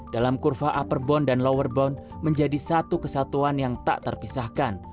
dalam kurva upper bound dan lower bound menjadi satu kesatuan yang tak terpisahkan